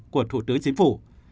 của thủ tướng chính phủ